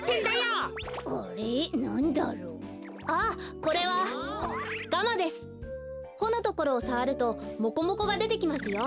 ほのところをさわるとモコモコがでてきますよ。